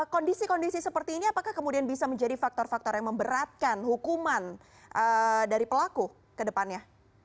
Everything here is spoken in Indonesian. kondisi kondisi seperti ini apakah kemudian bisa menjadi faktor faktor yang memberatkan hukuman dari pelaku ke depannya